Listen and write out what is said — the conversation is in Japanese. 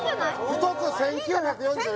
１つ１９４４円